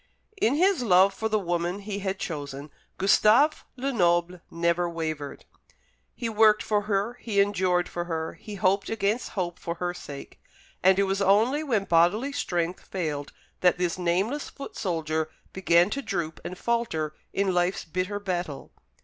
In his love for the woman he had chosen Gustave Lenoble never wavered. He worked for her, he endured for her, he hoped against hope for her sake; and it was only when bodily strength failed that this nameless foot soldier began to droop and falter in life's bitter battle.